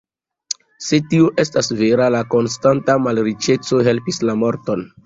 Se tio estas vera, la konstanta malriĉeco helpis la morton.